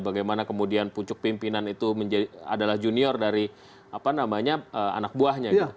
bagaimana kemudian puncuk pimpinan itu adalah junior dari anak buahnya gitu